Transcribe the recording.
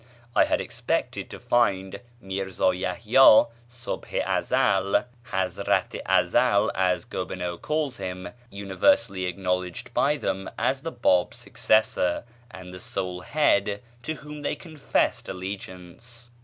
I had expected to find Mírzá Yahyá Subh i Ezel ("u>Hazrat i Ezel" as Gobineau calls him) universally acknowledged by them as the Báb's successor and the sole head to whom they confessed allegiance.